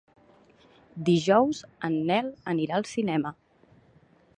Dijous en Nel anirà al cinema.